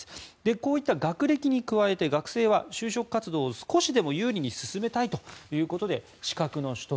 こういった学歴に加えて学生は就職活動を少しでも有利に進めたいということで資格の取得